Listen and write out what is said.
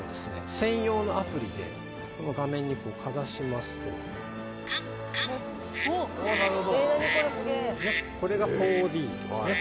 専用のアプリでこの画面にかざしますとカモカモこれが４Ｄ＋ね